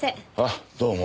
あどうも。